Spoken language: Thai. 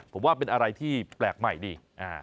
ผมว่าเป็นอะไรที่แปลกใหม่ดี